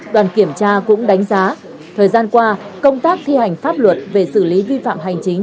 đoàn kiểm tra cũng đánh giá thời gian qua công tác thi hành pháp luật về xử lý vi phạm hành chính